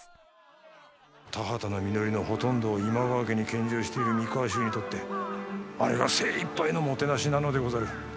田畑の実りのほとんどを今川家に献上している三河衆にとってあれが精いっぱいのもてなしなのでござる。